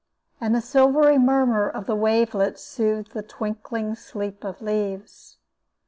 And the silvery murmur of the wavelets soothed the twinkling sleep of leaves.